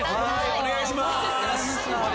お願いします。